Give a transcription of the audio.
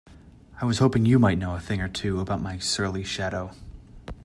I was hoping you might know a thing or two about my surly shadow?